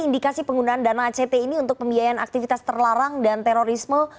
indikasi penggunaan dana act ini untuk pembiayaan aktivitas terlarang dan terorisme